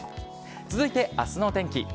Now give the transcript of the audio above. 続いてあすの天気。